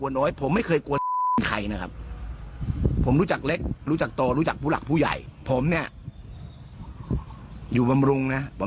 ในไลฟ์ของคุณวันอยู่บำรุงนะครับ